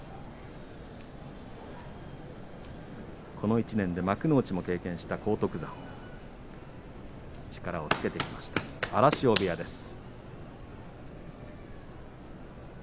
この１年で幕内も経験した荒篤山力をつけてきました荒汐部屋です。